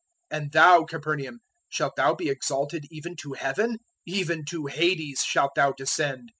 011:023 And thou, Capernaum, shalt thou be exalted even to Heaven? Even to Hades shalt thou descend.